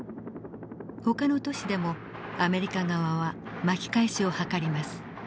ほかの都市でもアメリカ側は巻き返しを図ります。